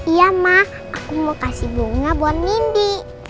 iya ma aku mau kasih bunga buat nindi